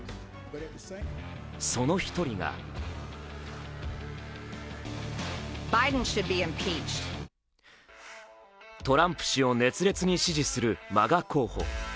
その１人がトランプ氏を熱烈に支持するＭＡＧＡ候補。